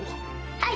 はい！